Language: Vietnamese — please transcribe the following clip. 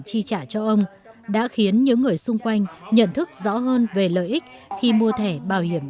chi trả cho ông đã khiến những người xung quanh nhận thức rõ hơn về lợi ích khi mua thẻ bảo hiểm